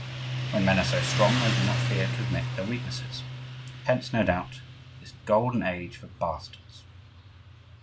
When men are so strong, they do not fear to admit their weaknesses. Hence, no doubt, this golden age for bastards.